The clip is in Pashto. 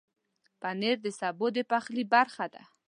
پنېر د سبو د پخلي برخه ده.